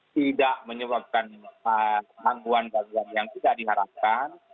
tidak menyebabkan manggungan bagian yang tidak diharapkan